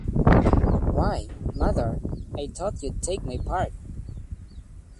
Why, mother, I thought you'd take my part!